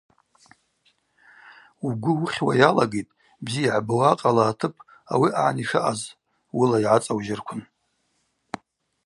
Угвы уыхьуа йалагитӏ бзи йыгӏбауа акъала атып ауи агӏан йшаъаз уыла йгӏацӏаужьырквын.